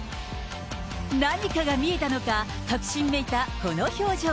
何かが見えたのか、確信めいたこの表情。